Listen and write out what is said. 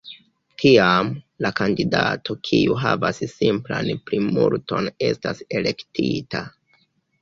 Tiam, la kandidato kiu havas simplan plimulton estas elektita.